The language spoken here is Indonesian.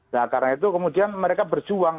nah karena itu kemudian mereka berjuang